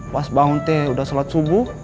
pas bangun nek udah shalat subuh